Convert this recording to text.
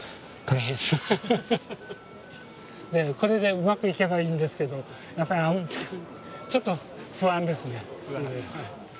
これでうまくいけばいいんですけどやっぱりちょっと不安ですね。